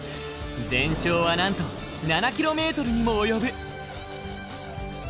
全長はなんと７ｋｍにも及ぶ。